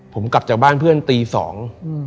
ผมกลับจากบ้านเพื่อนตีสอง